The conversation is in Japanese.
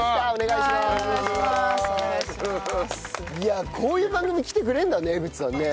いやこういう番組来てくれるんだね江口さんね。